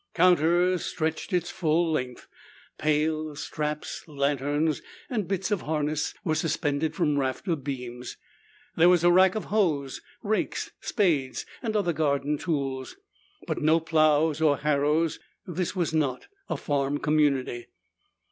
Counters stretched its full length. Pails, straps, lanterns and bits of harness, were suspended from rafter beams. There was a rack of hoes, rakes, spades and other garden tools, but no plows or harrows; this was not a farm community.